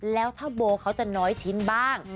แล้วถ้าโบเขาจะน้อยชิ้นบ้าง